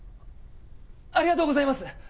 ありがとうございます！